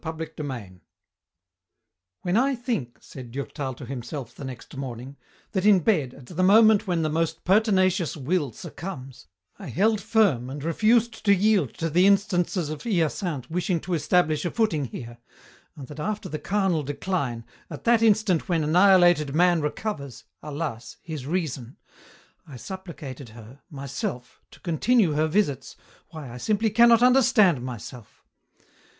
CHAPTER XVI "When I think," said Durtal to himself the next morning, "that in bed, at the moment when the most pertinacious will succumbs, I held firm and refused to yield to the instances of Hyacinthe wishing to establish a footing here, and that after the carnal decline, at that instant when annihilated man recovers alas! his reason, I supplicated her, myself, to continue her visits, why, I simply cannot understand myself.